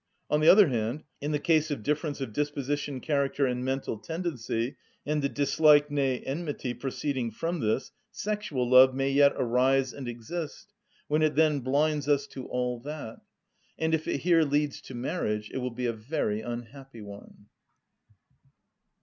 On the other hand, in the case of difference of disposition, character, and mental tendency, and the dislike, nay, enmity, proceeding from this, sexual love may yet arise and exist; when it then blinds us to all that; and if it here leads to marriage it will be a very unhappy one.